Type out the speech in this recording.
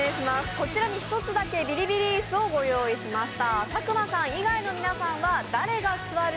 こちらに１つだけビリビリ椅子をご用意しました。